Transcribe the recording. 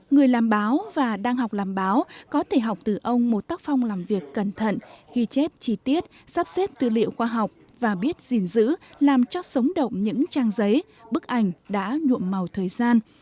người làm báo và đang học làm báo có thể học từ ông một tác phong làm việc cẩn thận ghi chép chi tiết sắp xếp tư liệu khoa học và biết gìn giữ làm cho sống động những trang giấy bức ảnh đã nhuộm màu thời gian